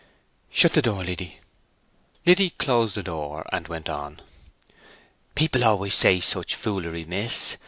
"Shut the door, Liddy." Liddy closed the door, and went on: "People always say such foolery, miss.